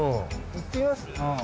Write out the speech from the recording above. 行ってみます？